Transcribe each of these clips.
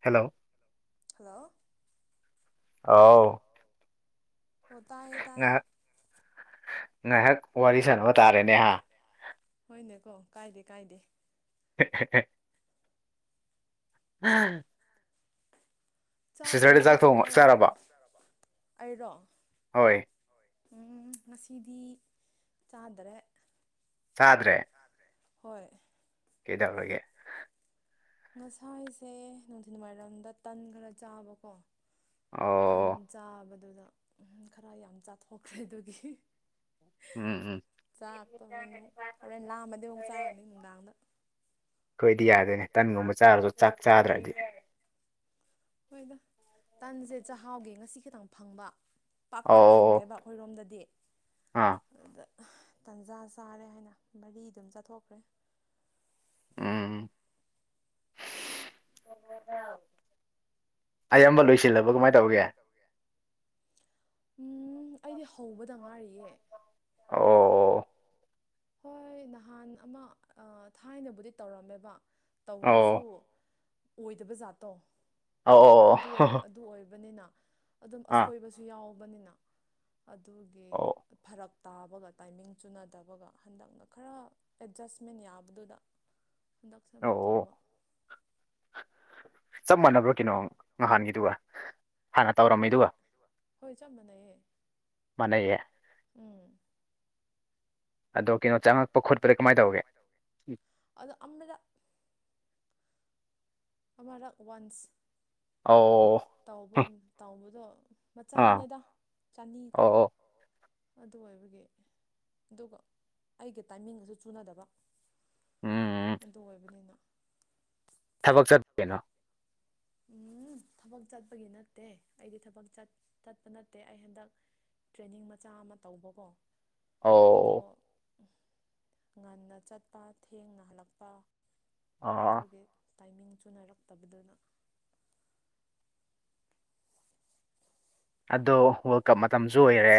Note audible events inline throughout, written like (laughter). hello hello ꯑꯥꯎ ꯍꯇꯥ ꯍꯇꯥꯦ ꯉꯥꯏꯍꯥꯛ ꯋꯥꯔꯤ ꯁꯥꯟꯅꯕ ꯇꯥꯔꯦꯅꯦꯍ ꯅꯦꯀꯣ ꯀꯥꯏꯗꯦ ꯀꯥꯏꯗꯦ (unintelligible) ꯎꯝ ꯆꯥꯛꯀꯨꯝꯕꯗꯤ ꯆꯥꯔꯕꯣ ꯑꯩꯔꯣ ꯍꯣꯏ ꯎꯝ ꯉꯁꯤꯗꯤ ꯆꯥꯗ꯭ꯔꯦ ꯆꯗ꯭ꯔꯦ ꯍꯣꯏ ꯀꯗꯔꯒꯦ ꯉꯁꯥꯏꯁꯦ ꯅꯨꯡꯊꯤꯜꯋꯥꯏꯔꯣꯝꯗ ꯇꯟ ꯈꯔ ꯆꯥꯕꯀꯣ ꯇꯟ ꯆꯥꯕꯗꯨꯗ ꯎ ꯈꯔ ꯌꯥꯝ ꯆꯥꯊꯣꯛꯈ꯭ꯔꯦ ꯑꯗꯨꯒꯤ ꯆꯥꯥꯛꯔꯛꯇꯧꯔꯅꯨ ꯍꯣꯔꯦꯟ ꯂꯥꯑꯝꯃꯗꯤ ꯑꯃꯨꯛ ꯆꯥꯔꯅꯤ ꯅꯨꯡꯗꯥꯡꯗ ꯑꯩꯈꯣꯏꯗꯤ ꯌꯥꯗꯣꯏꯅꯦ ꯇꯟꯒꯨꯝꯕ ꯆꯥꯔꯁꯨ ꯆꯥꯛ ꯆꯥꯗ꯭ꯔꯗꯤ ꯍꯣꯏ ꯇꯟꯁꯦ ꯆꯥꯛꯍꯥꯎꯒꯤ ꯉꯁꯤ ꯈꯤꯇꯪ ꯐꯪꯕ ꯄꯥꯛ ꯄꯥꯛ ꯐꯪꯗꯦꯕ ꯑꯩꯈꯣꯏꯔꯣꯝꯗꯗꯤ ꯑꯗꯨꯗ ꯇꯟꯖꯥ ꯆꯥꯔꯦ ꯍꯥꯏꯅ ꯃꯔꯤ ꯑꯗꯨꯝ ꯆꯠꯊꯣꯛꯈ꯭ꯔꯦ ꯎꯝ ꯑꯌꯥꯝꯕ ꯂꯣꯏꯁꯤꯜꯂꯕ ꯀꯃꯥꯏꯅ ꯇꯧꯒꯦ ꯎꯝ ꯑꯩꯗꯤ ꯍꯧꯕꯗ ꯉꯥꯏꯔꯤꯌꯦ ꯑꯣ ꯑꯣ ꯍꯣꯏ ꯅꯍꯥꯟ ꯑꯃ ꯊꯥꯏꯅꯕꯨꯗꯤ ꯇꯧꯔꯝꯃꯦꯕ ꯇꯧꯔꯁꯨ ꯑꯣꯏꯗꯕ ꯖꯥꯠꯇꯣ ꯑꯗꯨ ꯑꯣꯏ ꯑꯗꯨ ꯑꯣꯏꯕꯅꯤꯅ ꯑꯗꯨꯝ ꯑꯁꯣꯏꯕꯁꯨ ꯌꯥꯎꯋ ꯕꯅꯤꯅ ꯑꯗꯨꯒꯤ ꯐꯔꯛ ꯇꯥꯕꯒ ꯇꯥꯏꯃꯤꯡ ꯆꯨꯅꯗꯕꯒ ꯍꯟꯗꯛꯅ ꯈꯔ ꯑꯦꯠꯖꯁꯃꯦꯟ ꯌꯥꯕꯗꯨꯗ ꯍꯟꯗꯛꯁꯦ ꯑꯃꯨꯛ ꯇꯧꯕ ꯆꯞ ꯃꯥꯟꯅꯕ꯭ꯔꯥ ꯀꯩꯅꯣ ꯅꯍꯥꯟꯒꯤꯗꯨꯒ ꯍꯥꯟꯅ ꯇꯧꯔꯝꯃꯦꯗꯨ ꯍꯣꯏ ꯆꯞ ꯃꯥꯟꯅꯩꯌꯦ ꯃꯅꯦꯌꯦꯦ ꯑꯗꯣ ꯀꯩꯅꯣ ꯆꯪꯉꯛꯄꯣꯠꯄ ꯑꯗ ꯀꯃꯥꯏꯅ ꯇꯧꯒꯦ ꯎ ꯑꯔ ꯋꯥꯟꯁ ꯇ ꯇꯧꯕꯗꯣ ꯃꯆꯥꯅꯦꯗ ꯆꯅꯤꯀꯣ ꯑꯗꯨ ꯑꯣꯏꯕꯒꯤ ꯑꯗꯨꯒ ꯑꯩꯒꯤ ꯇꯥꯏꯃꯤꯡꯒꯁꯨ ꯆꯨꯅꯗꯕ ꯑꯗꯨ ꯑꯣꯏꯕꯅꯤꯅ ꯊꯕꯛ ꯆꯠꯀꯅꯣ ꯎꯝ ꯊꯕꯛ ꯆꯠꯄꯒꯤ ꯅꯠꯇꯦ ꯑꯩꯗꯤ ꯊꯕꯛ ꯆꯠꯄ ꯅꯠꯇꯦ ꯑꯩ ꯍꯟꯗꯛ ꯇ꯭ꯔꯦꯅꯤꯡ ꯃꯆꯥ ꯑꯃ ꯇꯧꯕꯀꯣ ꯑꯣ ꯉꯟꯅ ꯆꯠꯄ ꯊꯦꯡꯅ ꯍꯜꯂꯛꯄ ꯑꯗꯨꯒ‌ꫯ ꯇꯥꯏꯃꯤꯡ ꯆꯨꯅꯔꯛꯇꯕꯗꯨꯅ ꯑꯗꯣ ꯋꯥꯔꯜ ꯀꯞ ꯃꯇꯝꯁꯨ ꯑꯣꯏꯔꯦ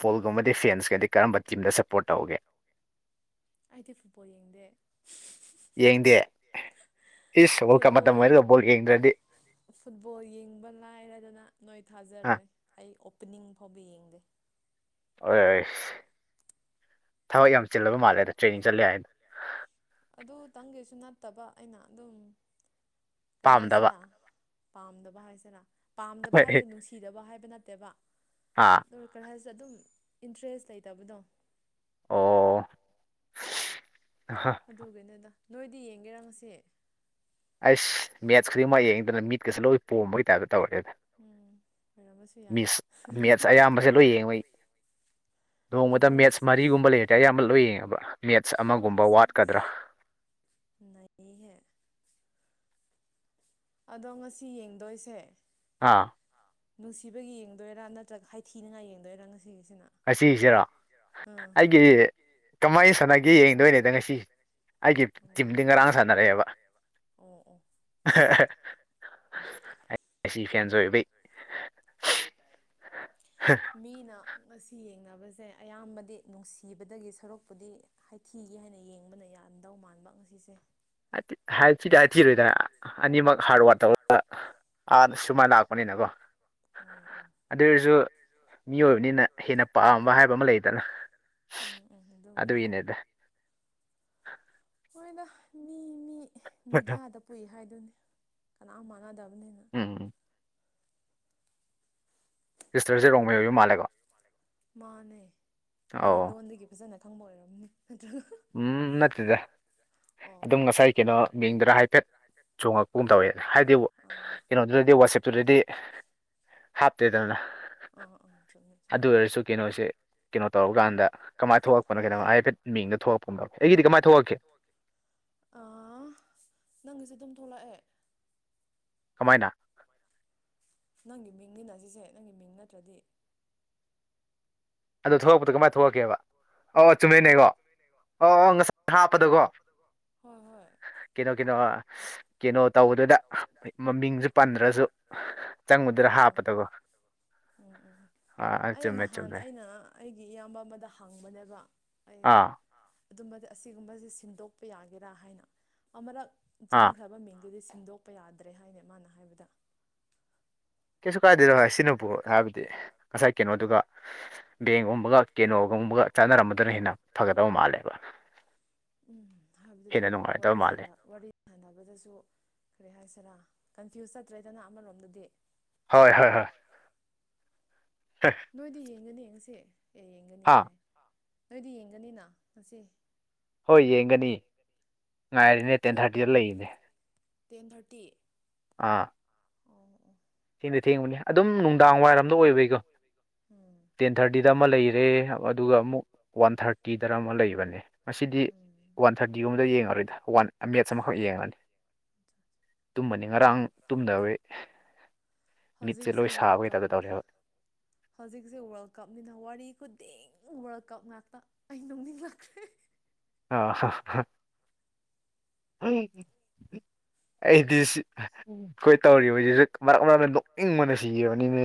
ꯕꯣꯜꯒꯨꯝꯕꯗꯤ ꯐꯦꯟꯁꯀꯗꯤ ꯀꯔꯝꯕ ꯇꯤꯝꯗ ꯁꯞꯄꯣꯔꯠ ꯇꯧꯒꯦ ꯑꯩꯗꯤ ꯐꯨꯠꯕꯣꯜ ꯌꯦꯡꯗꯦ ꯐꯨꯠꯕꯣꯜ ꯐꯨꯠꯕꯣꯜ ꯌꯦꯡꯕ ꯂꯥꯏꯔꯗꯅ ꯅꯣꯏ ꯊꯥꯖꯔꯣꯏ ꯑꯩ ꯑꯣꯄꯅꯤꯡ ꯐꯥꯎꯕ ꯌꯦꯡ (unintelligible) ꯑꫭꯏ‌ꯁ ꯊꯕꯛ ꯌꯥꯝ ꯆꯤꯜꯂꯕ ꯃꯥꯜꯂꯦꯗ ꯇ꯭ꯔꯦꯅꯤꯡ ꯆꯠꯂꯦ ꯍꯥꯏꯗꫭ ꯑꯗꯨꯇꯪꯒꯤꯁꯨ ꯅꯠꯇꯕ ꯑꯩꯅ ꯑꯗꯨꯝ ꯀꯔꯤ ꯍꯥꯏꯁꯤꯔꯥ ꯄꯥꯝꯗꯕ ꯍꯥꯏꯁꯤꯔꯥ ꯄꯥꯝꯗꯕ ꯍꯥꯏꯁꯦ ꯅꯨꯡꯁꯤꯗꯕ ꯍꯥꯏꯕ ꯅꯠ ꯇꯦꯕ ꯇꯔ ꯀꯔ ꯍꯥꯏꯁ ꯑꯗꯨꯝ ꯏꯟꯇꯔꯦꯁ ꯂꯩꯇꯕꯗꯣ ꯑꯣ ꯑꯗꯨꯒꯤꯅ‌ꯦꯗ ꯅꯣꯏꯗꯤ ꯌꯦꯡꯒꯦꯔꯥ ꯉꯥꯁꯤ ꯑꯁ ꯃꯦꯠꯆ ꯈꯨꯗꯤꯡꯃꯛ ꯌꯦꯡꯗꯅ ꯃꯤꯠꯀꯥꯁ‌ꯦ ꯂ‌ꫭꯏ ꯄ‌ꫭꯝꯕꯒꯤ ꯇꯥꯕꯠ ꯇꯧꯔꯛꯑꯦꯅ‌ꯦ ꯃꯤꯁ ꯃꯦꯠꯁ ꯑꯌꯥꯝꯕꯁ‌ꯦ ꯂ‌ꫭꯏ ꯌ‌ꯦꯡꯉ‌ꯦꯡꯑꫭ ꯑꯩ ꯅꯣꯡꯃꯗ ꯃꯦꯠꯁ ꯃꯔꯤꯒꯨꯝꯕ ꯂꯩꯔꯦꯗꯤ ꯑꯌꯥꯝꯕ ꯂꯣꯏ ꯌꯦꯡꯉꯦꯕ ꯃꯦꯠꯁ ꯑꯃꯒꯨꯝꯕ ꯋꯥꯠꯀꯗ꯭ꯔꯥ ꯑꯗꯣ ꯉꯁꯤ ꯌꯦꯡꯗꯣꯏꯁꯦ ꯑꯥ ꯅꯨꯡꯁꯤꯕꯒꯤ ꯌꯦꯡꯗꯣꯏꯔꯥ ꯅꯠꯇ꯭ꯔꯒ ꯍꯥꯏꯊꯤꯅꯉꯥꯏ ꯌꯦꯡꯗꯣꯏꯔꯥ ꯉꯁꯤꯒꯤ ꯉꯁꯤꯁꯤꯔꯣ ꯑꯩꯒꯤ ꯀꯃꯥꯏꯁ ꯁꯥꯟꯅꯒꯤ ꯌꯦꯡꯗꯣꯏꯅꯦꯗ ꯉꯁꯤ ꯑꯩꯒꯤ ꯇꯤꯝꯗꯤ ꯉꯔꯥꯡ ꯁꯥꯟꯅꯔꯛꯑꯦꯕ ꯑꯩ ꯑꯁꯤꯁꯤ ꯐꯦꯟꯁ ꯑꯣꯏꯕꯩ (unintelligible) ꯃꯤꯅ ꯉꯁꯤ ꯌꯦꯡꯅꯕꯁꯦ ꯑꯌꯥꯝꯕꯗꯤ ꯅꯨꯡꯁꯤꯕꯗꯒꯤ ꯁꯔꯨꯛꯄꯨꯗꯤ ꯍꯥꯏꯊꯤꯒꯦ ꯍꯥꯏꯅ ꯌꯦꯡꯕꯅ ꯌꯥꯝꯗꯧ ꯃꯥꯟꯕ ꯉꯁꯤꯁꯦ ꯍꯥꯏ ꯍꯥꯏꯊꯔꯣꯏ ꯑꯅꯤ ꯃ ꯍ ꯍꯥ ꯋꯥꯔꯇꯥ ꯑꯥ ꯁꯨꯃꯥꯏꯅ ꯂꯥꯛꯄꯅꯤꯅꯀꯣ ꯑꯗꯨ ꯑꯣꯏꯔꯁꯨ ꯃꯤꯑꯣꯏꯕꯅꯤꯅ ꯍꯦꯟꯅ ꯄꯥꯝꯕ ꯍꯥꯏꯕ ꯑꯃ ꯂꯩꯗꯅ ꯑꯗꯨꯒꯤꯅꯦꯗꯤ (inaudible) ꯃꯣꯏꯕ ꯃꯤ ꯃꯤ ꯃꯤꯗꯥꯗ ꯄꯨꯏ ꯍꯥꯏꯗꯨꯅꯤ ꯀꯅꯥ ꯑꯃ ꯃꯅꯥꯗ ꯁꯤꯁꯇꯔꯁꯦ ꯔꯣꯡꯃ ꯑꯣꯏꯕ ꯃꯥꯜꯂꯦꯀꯣ ꯃꯥꯅꯦ ꯑꯩꯒꯤ ꯂꯣꯟꯗꯒꯤ ꯐꯖꯅ ꯈꯪꯕ ꯑꯣꯏꯔꯝꯃꯤ ꯎꯝ ꯅꯠꯇꯦꯗ ꯑꯗꯨꯝ ꯉꯁꯥꯏ ꯀꯩꯅꯣ ꯃꯤꯡꯗꯨꯔ ꯍꯥꯏꯐꯦꯠ ꯆꯣꯡꯉꯛꯄꯒꯨꯝ ꯇꯧꯋꯦ ꯍꯥꯏꯗꯤ ꯀꯩꯅꯣꯗꯨꯗꯗꯤ ꯋꯥꯆꯦꯞꯇꯨꯗꯗꯤ ꯍꯥꯞꯇꯦꯗꯅ ꯑꯗꯨ ꯑꯣꯏꯔꯁꯨ ꯀꯩꯅꯣꯁꯦ ꯀꯩꯅꯣ ꯇꯧꯔꯀꯥꯟꯗ ꯀꯃꯥꯏꯅ ꯊꯣꯛꯂꯛꯄꯅꯣ ꯀꯩꯅꯣ ꯍꯥꯏꯐꯦꯠ ꯃꯤꯡꯗ ꯊꯣꯛꯂꯛꯄ ꯄꯦ ꯑꯩꯒꯤꯗꯤ ꯀꯃꯥꯏꯅ ꯊꯣꯛꯂꯛꯀꯦ ꯊꯣꯛꯂꯥ ꯑꯦ ꯀꯃꯥꯏꯅ ꯅꯪꯒꯤ ꯃꯤꯡꯅꯤꯅ ꯁꯤꯁꯦ ꯅꯪꯒꯤ ꯃꯤꯡ ꯅꯠꯇ꯭ꯔꯗꯤ ꯑꯗ ꯊꯣ ꯀꯃꯥꯏ ꯊꯣꯛꯛꯀꯦꯕ ꯑꯣ ꯆꯨꯝꯃꯦꯟꯅꯀꯣ ꯑꯣ ꯉꯁꯥꯏ ꯍꯥꯞꯄꯗꯀꯣ ꯀꯩꯅꯣ ꯀꯩꯅꯣ ꯀꯩꯅꯣ ꯇꯧꯕꯗꯨꯗ ꯃꯃꯤꯡꯁꯨ ꯄꯟꯗ꯭ꯔꯁꯨ ꯆꯪꯕꯗꯨꯗ ꯍꯥꯞꯄꯗꯕꯣ ꯑꯥ ꯆꯨꯝꯃꯦ ꯆꯨꯝꯃꯦ ꯑꯩꯒꯤ ꯏꯌꯥꯝꯕ ꯑꯃꯗ ꯍꯪꯕꯅꯦꯕ ꯑꯩꯅ ꯑꯗꯨꯝꯕꯗꯤ ꯑꯁꯤꯒꯨꯝꯕꯁꯤꯦ ꯁꯤꯟꯗꯣꯛꯄ ꯌꯥꯒꯦꯔꯥ ꯍꯥꯏꯅ ꯑꯃꯨꯔꯛ ꯆꯪꯈ꯭ꯔꯕ ꯃꯤꯡ ꯗꯤ ꯁꯤꯁꯤꯡꯟꯗꯣꯛ ꯠꯄ ꯌꯥꯗ꯭ꯔꯦ ꯍꯥꯏꯅꯦ ꯃꯥꯅ ꯍꯥꯏꯕꯗ ꯀꯁꯨ ꯀꯗꯔꯣ ꯍꯣꯏ ꯁꯤ ꯅꯨꯨꯕꯨꯣ ꯍꯥꯏꯕꯗꯤ ꯉꯁꯥꯏ ꯀꯩꯅꯣꯗꯨꯒ ꯕꯦꯡꯒꯨꯝꯕꯒ ꯀꯦꯅꯣꯒꯨꯝꯕꯒ ꯆꯥꯟꯅꯔꯝꯕꯗꯨꯅ ꯍꯦꯟꯅ ꯐꯒꯗꯕ ꯃꯥꯜꯂꯦꯕ ꯎꯝ ꯍꯥꯏꯕꯗꯤ ꯑꯗꯨꯝ ꯋꯥꯔꯤ ꯁꯥꯟꯅꯕꯗꯁꯨ ꯀꯔꯤ ꯍꯥꯏꯁꯤꯔꯥ ꯀꯟꯐ꯭ꯌꯨꯁ ꯆꯠꯇ꯭ꯔꯦꯗꯅ ꯑꯃꯔꯣꯝꯗꯗꯤ ꯍꯣꯏ ꯍꯣꯏ ꯍꯣꯏ ꯅꯣꯏꯗꯤ ꯌꯦꯡꯒꯅꯤ ꯍꯧꯁꯤ ꯑꯦ ꯌꯦꯡꯒꯅꯤ ꯍꯥꯏ ꯅꯣꯏꯗꯤ ꯌꯦꯡꯒꯅꯤꯅ ꯉꯁꯤ ꯍꯣꯏ ꯌꯦꯡꯒꯅꯤ ꯉꯥꯏꯔꯤꯅꯦ ꯇꯦꯟ ꯊꯥꯔꯇꯤꯗ ꯂꯩꯔꯤꯅꯦ ꯇꯦꯟ ꯊꯥꯔꯇꯤ ꯑꯥ ꯗꯤ ꯊꯦꯡꯕꯅꯤ ꯑꯗꯨꯝ ꯅꯨꯡꯗꯥꯡ ꯋꯥꯏꯔꯝꯗ ꯑꯣꯏꯕꯩꯀꯣ ꯇꯦꯟ ꯊꯥꯔꯇꯤꯗ ꯑꯃ ꯂꯩꯔꯦ ꯑꯗꯨꯒ ꯑꯃꯨꯛ ꯋꯥꯟ ꯊꯥꯔꯇꯤꯗ ꯑꯃ ꯂꯩꯕꯅꯦ ꯉꯗꯤ ꯋꯥꯟ ꯊꯥꯔꯇꯤꯒꯨꯝꯕꯗ ꯌꯦꯡꯉꯔꯣꯏꯗ ꯋꯥꯟ ꯃꯦꯠꯁ ꯑꯃꯈꯛ ꯌꯦꯡꯉꯅꯤ ꯇꯨꯝꯃꯅꯤ ꯉꯔꯥꯡ ꯇꯨꯝꯗꯦ ꯍꯧꯖꯤꯛꯁꯦ ꯋꯥꯔꯜ ꯀꯞ ꯍꯧꯖꯤꯛꯁꯦ ꯋꯥꯔꯜ ꯀꯞꯅꯤꯅ ꯋꯥꯔꯤ ꯈꯨꯗꯤꯡ ꯋꯥꯔꯜ ꯀꯞ ꯃꯦꯇ ꯑꯩ ꯅꯧꯅꯤꯡꯂꯛꯈ꯭ꯔꯦ ꯑꯥ ꯑꯩꯗꯤ ꯑꯩꯈꯣꯏ ꯇꯧꯔꯤꯕꯁꯤꯁꯨ ꯃꯔꯛ ꯃꯔꯛꯅ ꯅꯣꯛꯅꯤꯡꯕꯅ ꯁꯤꯈꯤꯕꯅꯤꯅꯦ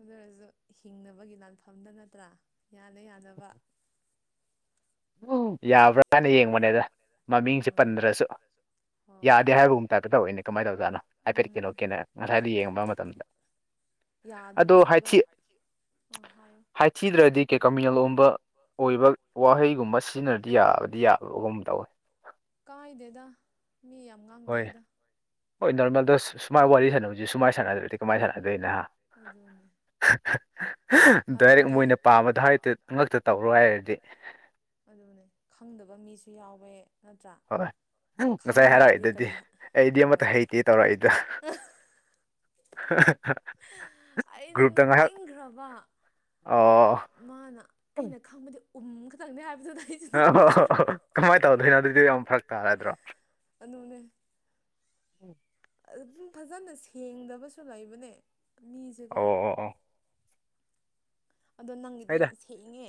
ꯑꯗꯨ ꯑꯣꯏꯔꯁꯨ ꯍꯤꯡꯅꯕꯒꯤ ꯂꯥꯟꯐꯝꯗ ꯅꯠꯇ꯭ꯔꯥ ꯌꯥꯅ ꯌꯥꯅꯕ ꯌꯥꯕ꯭ꯔ ꯁꯥꯏꯅ ꯌꯦꯡꯕꯅꯦꯗ ꯃꯃꯤꯡꯁꯦ ꯄꯟꯗ꯭ꯔꯁꯨ ꯌꯥꯗꯦ ꯍꯥꯏꯕꯒꯨꯝ ꯇꯥꯏꯞꯇ ꯇꯧꯏꯅꯦ ꯀꯃꯥꯏ ꯇꯧꯖꯥꯠꯅꯣ ꯍꯥꯏꯐꯦꯠ ꯀꯩꯅꯣ ꯀꯦꯅ ꯉꯁꯥꯏꯗ ꯌꯦꯡꯕ ꯃꯇꯝꯗ ꯑꯗꯣ ꯍꯥꯏꯊꯤꯗ꯭ꯔꯗꯤ ꯀꯦꯀꯥꯃꯤꯅꯦꯜ ꯑꯣꯕ ꯑꯣꯏꯕ ꯋꯥꯍꯩ ꯁꯤꯒꯨꯝꯕ ꯁꯤꯖꯤꯟꯅꯔꯗꯤ ꯌꯥꯕꯗꯤ ꯌꯥꯕꯒꯨꯝ ꯇꯧꯋꯦ ꯃꯤ ꯌꯥꯝ ꯉꯥꯡꯅꯩꯗ ꯍꯣꯏ ꯅꯔꯃꯜ ꯗꯣꯁ ꯁꯨꯃꯥꯏꯅ ꯋꯥꯔꯤ ꯁꯥꯟꯅꯕꯁꯤ ꯁꯨꯃꯥꯏꯅ ꯁꯥꯟꯅꯗ꯭ꯔꯗꯤ ꯀꯃꯥꯏꯅ ꯁꯥꯟꯅꯗꯣꯏꯅꯣ ꯗꯥꯏꯔꯦꯛ ꯃꯣꯏꯅ ꯄꯥꯝꯕꯗ ꯍꯥꯏꯔꯤꯠꯇ ꯉꯛꯇ ꯇꯧꯔꯣꯏ ꯍꯥꯏꯔꯗꯤ ꯈꯪꯗꯕ ꯃꯤꯁꯨ ꯌꯥꯎꯋꯦ ꯍꯣꯏ ꯉꯁꯥꯏ ꯍꯥꯏꯔꯛꯏꯗꯗꯤ ꯑꯩꯗꯤ ꯑꯃꯠꯇ ꯍꯩꯇꯦ ꯇꯧꯔꯛꯏꯗꯤ ꯗ ꯒ꯭ꯔꯨꯞꯇ ꯉꯥꯏꯍꯥꯛ ꯑ ꯃꯥꯅ ꯑꯩꯅ ꯈꯪꯕꯗꯤ ꯎ ꯊꯪꯅꯦ ꯍꯥꯏ ꯑ ꯍ ꯍ ꯍꯣ ꯀꯃꯥꯏ ꯇꯕꯣꯗꯣꯏ ꯑꯗꯨ ꯑꯗꯨ ꯌꯥꯝ ꯐꯔꯛ ꯇꯥꯔꯗ꯭ꯔꯣ ꯑꯗꯨꯅ ꯎꯝ ꯑꯗꯨꯝ ꯐꯖꯅ ꯁꯦꯡꯗꯕꯁꯨ ꯂꯩꯕꯅꯦ ꯃꯤꯁꯦꯀꯣ ꯑꯗꯣ ꯅꯪꯒꯤꯗꯤ ꯌꯥꯝ ꯁꯦꯡꯉꯦ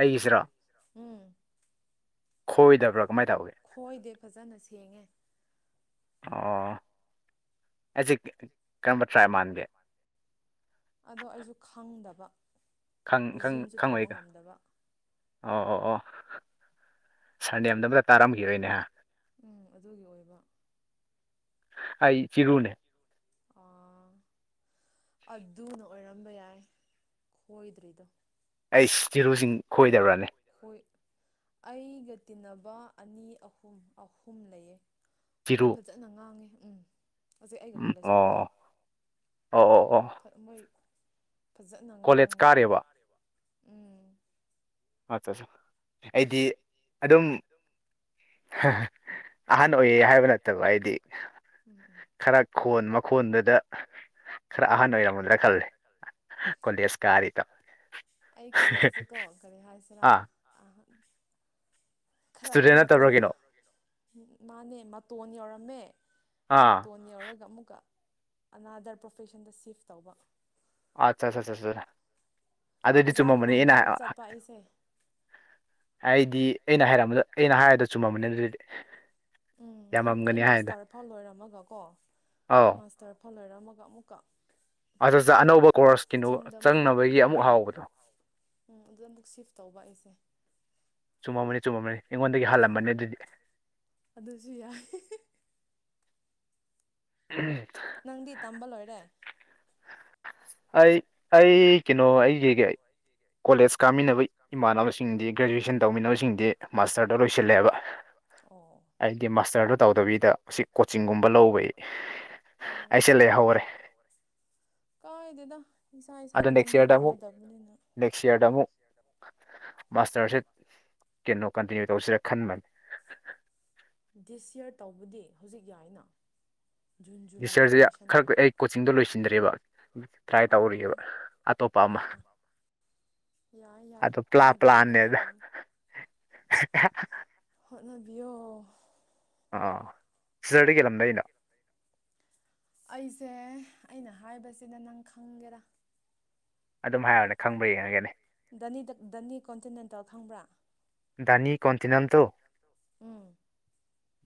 ꯑꯩꯒꯤꯁꯤꯔꯣ ꯈꯣꯏꯗꯕ꯭ꯔ ꯈꯣꯏꯗꯦ ꯐꯖꯅ ꯁꯤ ꯊꯦꯡ ꯑꯣ ꯑꯩꯁꯦ ꯀꯔꯝꯕ ꯇ꯭ꯔꯥꯏ ꯃꯥꯟꯗꯦ ꯑꯗꯣ ꯑꯩꯁꯨ ꯈꯪꯗꯕ ꯈꯪꯉꯣꯏꯒ ꯑꯣ ꯑꯣ ꯁꯥꯔ ꯅ ꯑꯗ ꯂ ꯎꯝ ꯑꯗꯨꯒꯤ ꯑꯣꯏꯕ ꯑꯩ ꯆꯤꯔꯨꯅꯦ ꯑꯗꯨꯅ ꯑꯣꯏꯔꯝꯕ ꯌꯥꯏ ꯈꯣꯏꯗ꯭ꯔꯤꯗꯣ ꯑꯩ ꯆꯤꯔꯨꯖꯤꯡ ꯈꯣꯏꯗꯕ꯭ꯔꯅꯤ ꯑꯩꯒ ꯇꯤꯟꯅꯕ ꯑꯅꯤ ꯑꯍꯨꯝ ꯑꯍꯨꯝ ꯂꯩꯌꯦ ꯃꯣꯏ ꯐꯖꯅ ꯉꯥꯡꯉꯤ ꯍꯧꯖꯤꯛ ꯑꯩꯒ ꯀꯣꯂꯦꯖ ꯄꯨꯟꯕ ꯑꯣ ꯑꯣ ꯑꯣ ꯐꯖꯅ ꯉꯥꯡꯉꯤ ꯑ ꯑ ꯑꯩꯗꯤ ꯑꯗꯨꯝ ꯑꯍꯟ ꯑꯣꯏꯌꯦ ꯍꯥꯏꯕ ꯅꯠꯇꯕ ꯑꯩꯗꯤ ꯈꯔ ꯈꯣꯟ ꯃꯈꯣꯟꯗꯨꯗ ꯈꯔ ꯑꯍꯟ ꯑꯣꯏꯔꯝꯃꯣꯏꯗ꯭ꯔꯥ ꯈꯜꯂꯦ ꯀꯣꯂꯦꯖ ꯀꯥꯔꯤꯗꯣ ꯑꯩ ꯀꯣꯂꯦꯖꯇꯀꯣ ꯀꯔꯤ ꯍꯥꯏꯁꯤꯔꯥ (inaudible) ꯈꯔ ꯃꯇꯣꯟ ꯃꯥꯅꯦ ꯃꯇꯣꯟ ꯌꯧꯔꯝ (unintelligible) ꯃꯇꯣꯟ ꯌꯧꯔꯒ ꯑꯃꯨꯛꯀ ꯑꯅꯥꯗꯔ ꯄ꯭ꯔꯣꯐꯦꯁꯟꯗ ꯁꯤꯐ ꯇꯧꯕ ꯑꯠꯆꯥ ꯑꯗꯨꯑꯣꯗꯤ ꯆꯨꯝꯃꯝꯕꯅꯤ ꯑꯩꯅ ꯑꯩꯗꯤ ꯑꯩꯅ ꯍꯥꯏꯔꯝꯕꯗ ꯑꯩꯅ ꯍꯥꯏꯔꯗ ꯆꯨꯝꯃꯝꯕꯅꯤ ꯑꯗꯨꯗꯤ ꯎꯝ ꯍꯥꯏꯕꯗꯤ ꯑꯩ ꯃꯥꯁꯇꯔ ꯐ ꯂꯣꯏꯔꯝꯃꯒ ꯀꯣ ꯃꯥꯁꯇꯔ ꯐ ꯂꯣꯏꯔꯝ ꯑꯃꯨꯛ ꯑꯃꯨꯀ ꯑꯗꯨꯗ ꯑꯅꯧꯕ ꯀꯣꯔꯁꯀꯤꯅꯣ ꯆꯪꯅꯕꯒꯤ ꯑꯃꯨꯛ ꯍꯥꯎꯕꯗꯣ ꯆꯨꯝꯃꯅꯤ ꯆꯨꯝꯃꯅꯤ ꯑꯩꯉꯣꯟꯗꯒꯤ ꯍꯜꯂꯝꯕꯅꯤ ꯑꯗꯨꯗꯤ ꯑꯗꯨꯁꯨ ꯌꯥꯏ ꯎꯝ ꯅꯪꯗꯤ ꯇꯝꯕ ꯂꯣꯏꯔꯦ ꯑꯩ ꯑꯩ ꯀꯩꯅꯣ ꯑꯩꯒꯤ ꯀꯣꯂꯦꯖ ꯀꯥꯃꯤꯟꯅꯕ ꯏꯃꯥꯟꯅꯕꯁꯤꯡꯗꯤ ꯒ꯭ꯔꯦꯖꯨꯋꯦꯁꯟ ꯇꯧꯃꯤꯟꯅꯕꯁꯤꯡꯗꯤ ꯃꯥꯁꯇꯔꯗ ꯂꯣꯏꯁꯤꯜꯂꯦꯕ ꯑꯩꯗꯤ ꯃꯥꯁꯇꯔꯗꯨ ꯇꯧꯗꯕꯤꯗ ꯍꯧꯛ ꯀꯣꯆꯤꯡꯒꯨꯝꯕ ꯂꯧꯕꯒꯤ ꯑꯩꯁꯦ ꯂꯩ ꯍꯧꯔꯦ ꯏꯁꯥ ꯏꯁꯥꯒꯤ ꯂꯝꯕꯤ ꯃꯥꯟꯅꯗꯕꯅꯤꯅ ꯃꯥꯁꯇꯔꯁꯦ ꯀꯩꯅꯣ ꯀꯟꯇꯤꯅ꯭ꯌꯨ ꯇꯧꯁꯤꯔ ꯈꯟꯕꯅꯤ ꯗꯤꯁꯌꯥꯔ ꯇꯧꯕꯗꯤ ꯍꯧꯖꯤꯛ ꯌꯥꯏꯅ ꯇꯤꯆꯔꯁꯦ ꯈꯔ ꯑꯩ ꯀꯣꯆꯤꯡꯗꯣ ꯂꯣꯏꯁꯤꯟꯗ꯭ꯔꯦꯕ ꯇ꯭ꯔꯥꯏ ꯇꯧꯔꯤꯑꯕ ꯑꯇꯣꯞꯄ ꯑꯃ ꯑꯗꯣ ꯄ꯭ꯂꯥ ꯄ꯭ꯂꯥꯟꯅꯦꯗ (unintelligible) ꯍꯣꯠꯅꯕꯤꯌꯣ ꯑꯥ ꯁꯤꯖꯔꯗ ꯌꯦꯦꯜꯂꯝꯗ ꯑꯩꯅ ꯑꯩꯁꯦ ꯑꯩꯅ ꯍꯥꯏꯕꯁꯤꯅ ꯅꯪ ꯈꯪꯒꯦꯔꯥ ꯑꯗꯨꯝ ꯍꯥꯏꯔꯅꯦ ꯈꯪꯕ ꯌꯦꯡꯉꯒꯅꯤ ꯗꯅꯤ ꯀꯣꯟꯇꯤꯅꯦꯟꯇꯦꯜ ꯈꯪꯕ꯭ꯔꯥ ꯗꯅꯤ ꯀꯟꯇꯅꯟꯇꯣ ꯎꯝ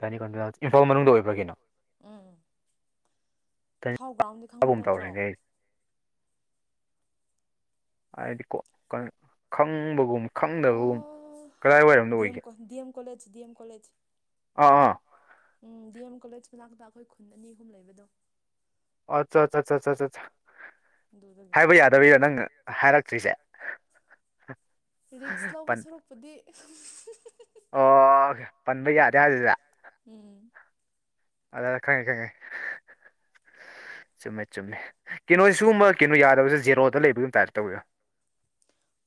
ꯌꯥꯅꯤ ꯀ ꯏꯝꯐꯥꯜ ꯃꯅꯨꯡꯗ ꯑꯣꯏꯕꯒꯤꯅꯣ ꯊꯥꯎ ꯒ꯭ꯔꯥꯎꯟꯗꯤ ꯈꯪꯕ ꯅꯠꯇ꯭ꯔꯣ ꯍꯥꯏꯗꯤ ꯀꯣ ꯈꯪꯕꯒꯨꯝ ꯈꯪꯗꯕꯒꯨꯝ ꯀꯗꯥꯏ ꯋꯥꯏꯔꯣꯝꯗ ꯑꯣꯏꯒꯦ ꯀꫭꯂꯦꯖ ꯗꯤ ꯑꯦꯝ ꯀꯣꯂꯦꯖ ꯑꯥ ꯑꯥ ꯎꯝ ꯗꯤ ꯑꯦꯝ ꯀꯣꯂꯦꯖ ꯃꯅꯥꯛꯇ ꯑꯩꯈꯣꯏ ꯈꯨꯟ ꯑꯅꯤ ꯑꯍꯨꯝ ꯂꯩꯕꯗꯣ ꯑꯠꯆꯥ ꯑꯠꯆꯥꯆꯥ ꯍꯥꯏꯕ ꯌꯥꯗꯕꯤꯌꯣ ꯅꯪ ꯍꯥꯏꯔꯛꯇ꯭ꯔꯤꯁꯦ ꯔꯤꯛꯁ ꯂꯧꯕ ꯁꯔꯛꯄꯨꯗꯤ ꯑꯣ ꯄꯟꯕ ꯌꯥꯁꯦ ꯑꯗꯨꯗ ꯑꯗ ꯈꯪꯉꯦ ꯈꯪꯉꯦ ꯆꯨꯝꯃꯦ ꯆꯨꯝꯃꯦ ꯀꯩꯅꯣ ꯁꯤꯒꯨꯝꯕ ꯀꯩꯅꯣꯗꯁꯦ ꯖꯦꯔꯣꯗ ꯂꯩꯕꯒꯤꯝ ꯇꯥꯏꯞ ꯇꯧꯤꯣ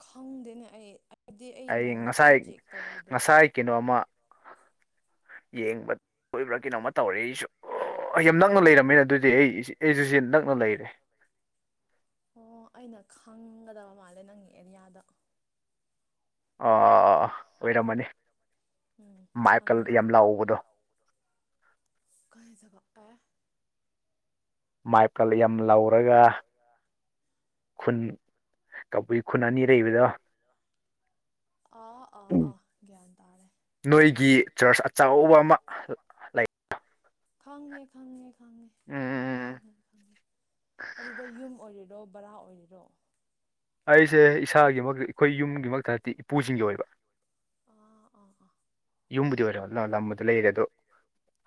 ꯈꯪꯗꯦꯅꯦ ꯑꯩ ꯑꯩ ꯉꯁꯥꯏ ꯉꯁꯥꯏ ꯀꯩꯅꯣꯃ ꯌꯦꯡꯕ ꯂ ꯑꯣꯏꯕ꯭ꯔꯥ ꯀꯩꯅꯣꯝꯃ ꯇꯧꯔꯦ ꯑꯩꯁꯨ ꯑꯩ ꯌꯥꯝ ꯅꯛꯅ ꯂꯩꯔꯝꯃꯤꯅ ꯑꯗꯨꯗꯤ ꯑꯩ ꯑꯩꯁꯨꯁ ꯅꯛꯅ ꯂꯩꯔꯦ ꯈꯪꯒꯗꯕ ꯃꯥꯜꯂꯦ ꯅꯪꯒꯤ ꯑꯦꯔꯤꯌꯥꯗ ꯑꯥ ꯑꯥ ꯑꯥ ꯑꯥ ꯑꯣꯏꯔꯝꯃꯅꯤ ꯃꯥꯏꯀꯜ ꯌꯥꯝ ꯂꯥꯎꯕꯗꯣ ꯀꯥꯏꯖꯕ ꯄꯦ ꯃꯥꯏꯄꯜ ꯌꯥꯝ ꯂꯧꯔꯒ ꯈꯨꯟ ꯀꯕꯨꯏ ꯈꯨꯟ ꯑꯅꯤ ꯂꯩꯕꯗꯣ ꯅꯣꯏꯒꯤ ꯆꯔꯆ ꯑꯆꯧꯕ ꯑꯃ ꯂꯩ ꯈꯥꯡꯉꯦ ꯈꯥꯡꯉꯦ ꯈꯪꯉꯦ ꯈꯉꯦ ꯈꯪꯉꯦ ꯑꯗꯨꯗ ꯌꯨꯝ ꯑꯣꯏꯔꯤꯔꯣ ꯕꯔꯥ ꯑꯣꯏꯔꯤꯔꯣ ꯑꯩꯁꯦ ꯏꯁꯥꯒꯤꯃ ꯑꯩꯈꯣꯏ ꯌꯨꯝꯒꯤꯃꯛꯇ ꯏꯄꯨꯁꯤꯡꯒꯤ ꯑꯣꯏꯕ ꯌꯨꯝꯕꯨꯗꯤ ꯑꯣꯏꯔ ꯂ ꯂꯝꯕ ꯑ ꯂꯩꯔꯦ ꯑꯗꯣ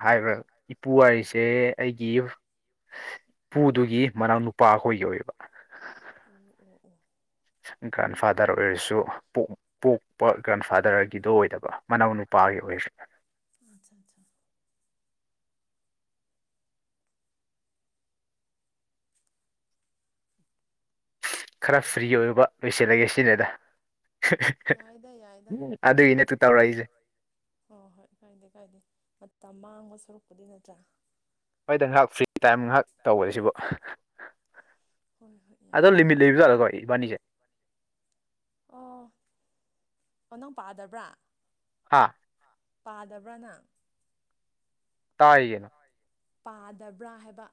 ꯍꯥꯏꯕ꯭ꯔꯥ ꯏꯄꯨ ꯍꯥꯏꯔꯤꯁꯦ ꯑꯩꯒꯤ ꯏꯄꯨꯗꯨꯒꯤ ꯃꯅꯥꯎ ꯅꯨꯨꯄꯥ ꯑꯩꯈꯣꯏꯒꯤ ꯑꯣꯏꯌꯦꯕ ꯎ ꯑꯣ ꯑꯣ ꯒ꯭ꯔꯥꯟꯐꯥꯗꯔ ꯑꯣꯏꯔꯁꯨ ꯄꯣꯛꯄ ꯒ꯭ꯔꯥꯟꯐꯥꯗꯔꯒꯤꯗꯣ ꯑꯣꯏꯗꯕ ꯃꯅꯥꯎ ꯅꯨꯄꯥꯒꯤ ꯑꯣꯏꯔꯁꯨ ꯈꯔ ꯐ꯭ꯔꯤ ꯑꯣꯏꯕ ꯂꯣꯏꯁꯤꯜꯂꯒꯦ ꯁꯤꯅꯗ ꯑꯗꯨꯒꯤ ꯅꯠꯇ ꯇꯧꯔꯛꯏꯁꯦ ꯃꯥꯡꯕ ꯁꯨꯔꯛꯄꯗꯤ ꯅꯠꯇ꯭ꯔꯥ ꯍꯣꯏꯗ ꯉꯥꯏꯍꯥꯛ ꯐ꯭ꯔꯤ ꯇꯥꯏꯝ ꯉꯥꯏꯍꯥꯛ ꯇꯧꯕ ꯁꯤꯕꯨ ꯑꯗꯣ ꯂꯤꯃꯤꯠ ꯂꯩꯕ ꯆꯠꯂꯀꯣ ꯑꯣ ꯑꯣ ꯅꯪ ꯄꯥꯗꯕ꯭ꯔꯥ ꯑꯥ ꯄꯥꯗꯕ꯭ꯔꯅ ꯇꯥꯥꯏꯒꯅꯣ ꯄꯥꯗꯕ꯭ꯔꯥ ꯍꯥꯏꯕ